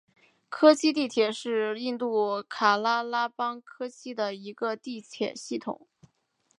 科契地铁是印度喀拉拉邦科契的一个地铁系统。